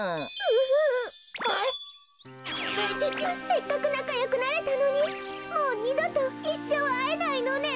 せっかくなかよくなれたのにもうにどといっしょうあえないのね。